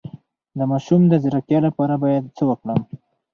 د ماشوم د ځیرکتیا لپاره باید څه وکړم؟